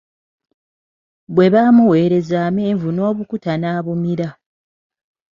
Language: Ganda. Bwe baamuweereza amenvu N'obukuta n'abumira.